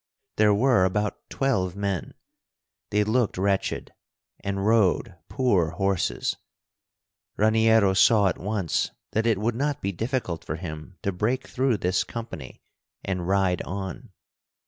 There were about twelve men. They looked wretched, and rode poor horses. Raniero saw at once that it would not be difficult for him to break through this company and ride on.